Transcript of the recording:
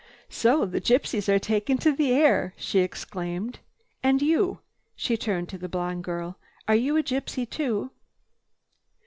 "So the gypsies are taking to the air!" she exclaimed. "And you—" she turned to the blonde girl, "are you a gypsy too?"